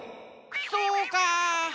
そうか。